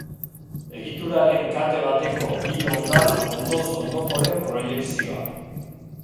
Egituraren kate bateko bi hondar ondoz ondokoren proiekzioa.